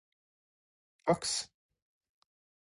faks